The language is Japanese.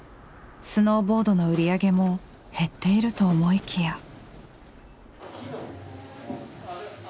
スノーボードの売り上げも減っていると思いきや。